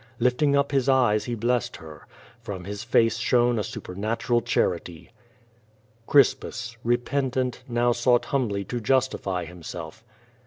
Lifting up his eyes he blessed her. From his face shone a su{>ernatu ral charity. Crispus, repentant, now sought humbly to justify himself.